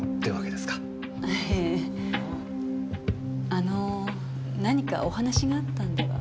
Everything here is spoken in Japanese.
あの何かお話があったんでは？